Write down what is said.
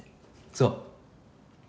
そう。